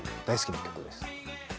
大好きな曲です。